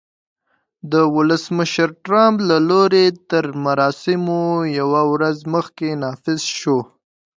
د ولسمشر ټرمپ د لوړې تر مراسمو یوه ورځ مخکې نافذ شو